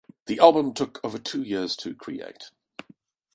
The album took over two years to create.